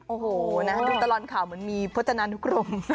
โอ้โหดูตลอดข่าวเหมือนมีพจนานุกรม